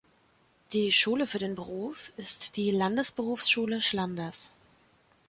Die Schule für den Beruf ist die "Landesberufsschule Schlanders".